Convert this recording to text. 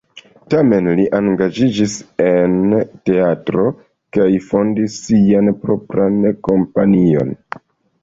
Tiam li engaĝiĝis en teatro kaj fondis sian propran kompanion.